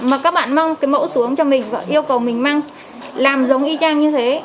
mà các bạn mang cái mẫu xuống cho mình và yêu cầu mình làm giống y chang như thế